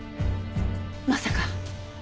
まさか！